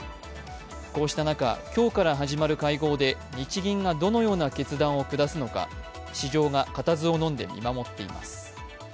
こうした中、今日から始まる会合で日銀がどのような決断を下すのか、市場が固唾をのんで見守っています。